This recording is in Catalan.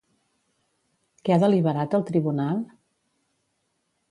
Què ha deliberat el Tribunal?